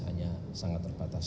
hanya sangat terbatas